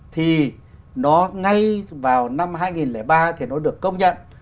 thì nó ngay vào năm hai nghìn ba thì nó được công nhận